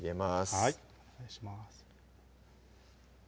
はいお願いします